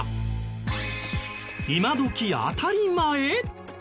今どき当たり前？